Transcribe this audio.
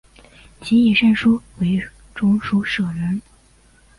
其以善书为中书舍人。